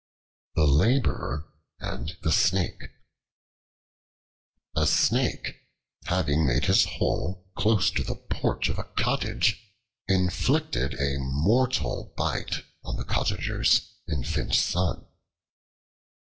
The Laborer and the Snake A SNAKE, having made his hole close to the porch of a cottage, inflicted a mortal bite on the Cottager's infant son.